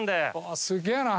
すげえな。